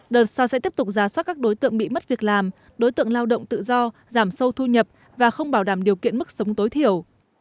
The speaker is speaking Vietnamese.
đợt sau sẽ tiếp tục giả soát các đối tượng bị mất việc làm đối tượng lao động tự do giảm sâu thu nhập và không bảo đảm điều kiện mức sống tối thiểu